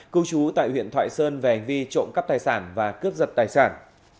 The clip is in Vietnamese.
cưu trú tại huyện thoại sơn về vi trộm cắp tài sản và cướp giật tài sản